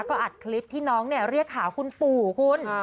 ก็อัดคลิปที่น้องเรียกขาคุณปู่คุณ